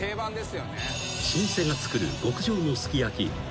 ［老舗が作る極上のすき焼き浅草